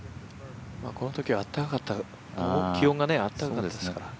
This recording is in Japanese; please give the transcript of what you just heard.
このときは気温が暖かかったですから。